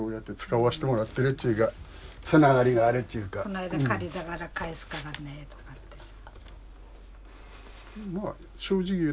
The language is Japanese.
こないだ借りたから返すからねとかってさ。